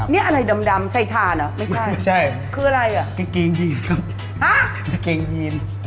มีอะไรอ่ะเป็นทาครับนะไม่ใช่มีเกงยีนครับ